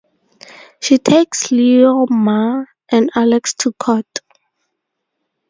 She takes Leo Ma and Alex to court.